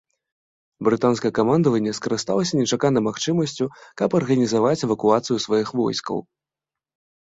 Брытанскае камандаванне скарысталася нечаканай магчымасцю, каб арганізаваць эвакуацыю сваіх войскаў.